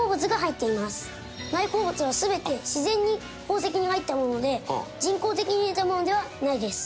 内包物は全て自然に宝石に入ったもので人工的に入れたものではないです。